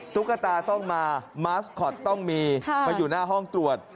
ตุ๊กตาต้องมามาสคอตต้องมีมาอยู่หน้าห้องตรวจ